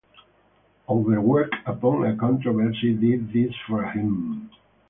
Overwork upon a controversy did this for him.